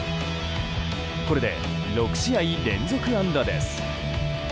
これで６試合連続安打です。